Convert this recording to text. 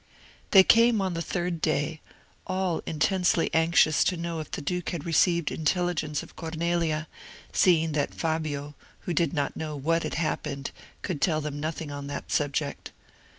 They came on the third day, all intensely anxious to know if the duke had received intelligence of Cornelia, seeing that Fabio, who did not know what had happened, could tell them nothing on that subject.